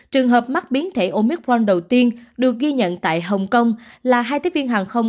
trường hợp mắc biến thể omicron đầu tiên được ghi nhận tại hồng kông là hai tiếp viên hàng không